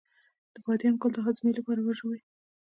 د بادیان ګل د هاضمې لپاره وژويئ